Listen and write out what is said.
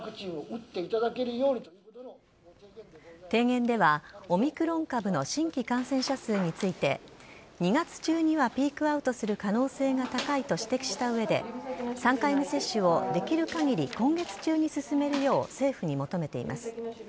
提言では、オミクロン株の新規感染者数について２月中にはピークアウトする可能性が高いと指摘した上で３回目接種をできる限り、今月中に進めるよう政府に求めています。